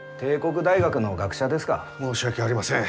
申し訳ありません。